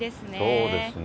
そうですね。